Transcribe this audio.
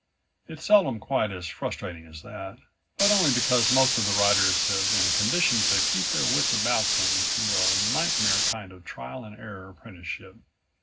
It's seldom quite as frustrating as that, but only because most of the riders have been conditioned to keep their wits about them through a nightmare kind of trial and error apprenticeship.